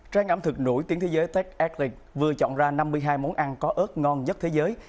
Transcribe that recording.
trang ẩm thực nổi tiếng thế giới tech athlete vừa chọn ra năm mươi hai món ăn có ớt ngon nhất thế giới